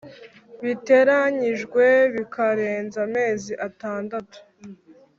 Biteranyijwe bikarenza amezi atandatu